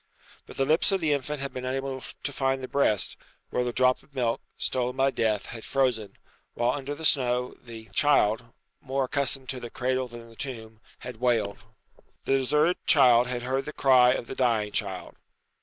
But the lips of the infant had been unable to find the breast, where the drop of milk, stolen by death, had frozen, whilst under the snow the child, more accustomed to the cradle than the tomb, had wailed. The deserted child had heard the cry of the dying child.